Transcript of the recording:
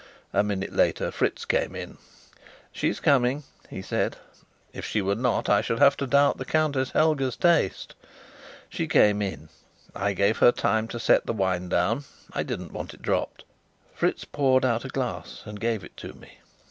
A minute later Fritz came in. "She's coming," he said. "If she were not, I should have to doubt the Countess Helga's taste." She came in. I gave her time to set the wine down I didn't want it dropped. Fritz poured out a glass and gave it to me.